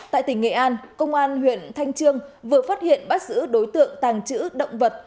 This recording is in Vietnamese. tại tỉnh nghệ an công an huyện thanh trương vừa phát hiện bắt giữ đối tượng tàng trữ động vật